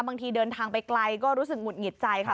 บางทีเดินทางไปไกลก็รู้สึกหุดหงิดใจค่ะ